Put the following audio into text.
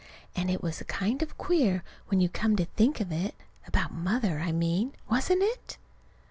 And it was kind of queer, when you come to think of it about Mother, I mean, wasn't it?